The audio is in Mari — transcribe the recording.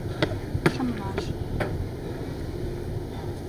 Шымлаш.